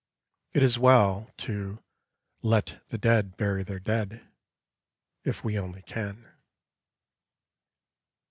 It is well to "let the dead bury their dead" if we only can.